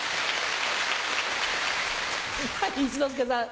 はい一之輔さん。